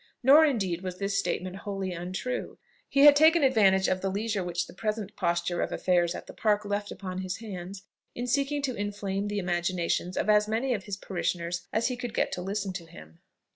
Nor indeed was this statement wholly untrue. He had taken advantage of the leisure which the present posture of affairs at the Park left upon his hands, in seeking to inflame the imaginations of as many of his parishioners as he could get to listen to him.